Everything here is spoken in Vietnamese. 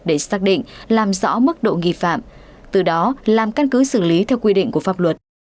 để xác định làm rõ mức độ nghi phạm từ đó làm căn cứ xử lý theo quy định của pháp luật